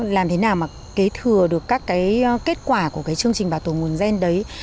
làm thế nào mà kế thừa được các cái kết quả của cái chương trình bảo tồn nguồn gen đấy